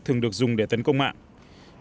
thường được dùng để tấn công mạng